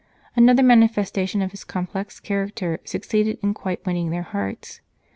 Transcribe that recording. Another manifestation of his complex character succeeded in quite winning their hearts.